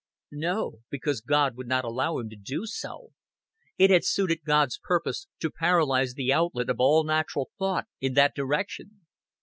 No, because God would not allow him to do so; it had suited God's purpose to paralyze the outlet of all natural thought in that direction.